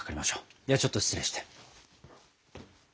ではちょっと失礼して。